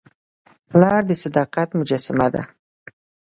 پلار د صداقت مجسمه ده.